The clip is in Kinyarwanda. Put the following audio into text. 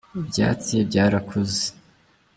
ibyatsi byarakuze